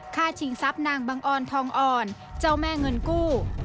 ชิงทรัพย์นางบังออนทองอ่อนเจ้าแม่เงินกู้